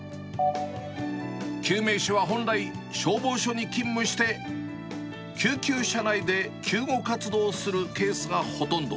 救命士は本来、消防署に勤務して、救急車内で救護活動するケースがほとんど。